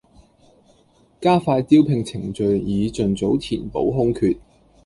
加快招聘程序以盡早填補空缺